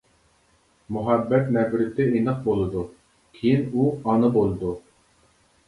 مۇھەببەت-نەپرىتى ئېنىق بولىدۇ. كىيىن ئۇ ئانا بولىدۇ.